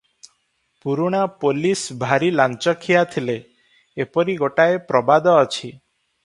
ପୁରୁଣା ପୋଲିସ ଭାରି ଲାଞ୍ଚଖିଆ ଥିଲେ, ଏପରି ଗୋଟାଏ ପ୍ରବାଦ ଅଛି ।